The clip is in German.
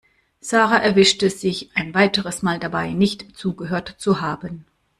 Sarah erwischte sich ein weiteres Mal dabei, nicht zugehört zu haben.